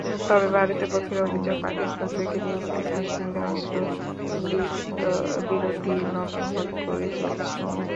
তবে ভারতীয় পক্ষের অভিযোগ, পাকিস্তান প্রায় নিয়মিতই কাশ্মীরে অস্ত্রবিরতি লঙ্ঘন করে চলেছে।